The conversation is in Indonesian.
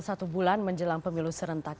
satu bulan menjelang pemilu serentak